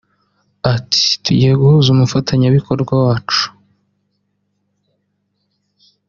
Ati “Tugiye guhuza umufatanyabikorwa wacu